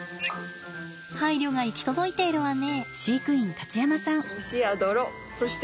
配慮が行き届いているわね。